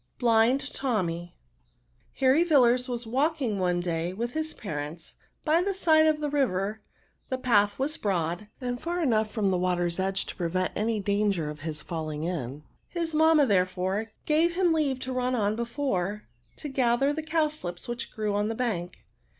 BLIND TOMMY. Harry ViLLARS was walking one day with his parents, by the side of a river ; the path was broad, and far enough from the water's edge, to prevent any danger of his falling in. His mamma, therefore, gave him leave to ran on before) to gather the cowslips which grew on the bank.